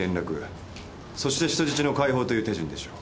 そして人質の解放という手順でしょう。